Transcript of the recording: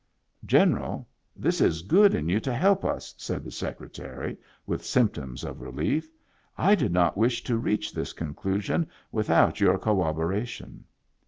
" General, this is good in you to help us," said the Secretary, with symptoms of relief. " I did not wish to reach this conclusion without your cor roboration."